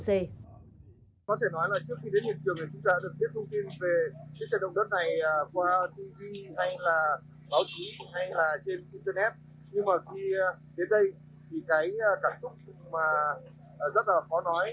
có thể nói là trước khi đến hiện trường